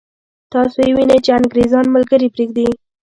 تاسو یې وینئ چې انګرېزان ملګري پرېږدي.